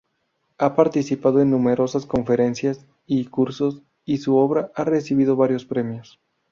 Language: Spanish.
Ha participado en numerosas conferencias y cursos y su obra ha recibido varios premios.